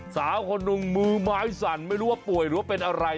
สาวคนหนึ่งมือไม้สั่นไม่รู้ว่าป่วยหรือว่าเป็นอะไร